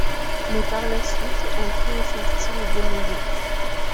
Mais par la suite, on trouve son style démodé.